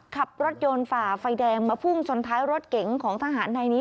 ขับรถยนต์ฝ่าไฟแดงมาพุ่งชนท้ายรถเก๋งของทหารในนี้